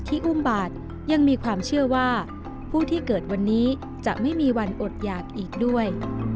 อุ้มบาทยังมีความเชื่อว่าผู้ที่เกิดวันนี้จะไม่มีวันอดหยากอีกด้วย